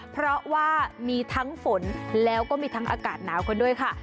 เพราะว่ามีทั้งฝนแล้วก็มีทั้งอากาศหนาวกันด้วยค่ะ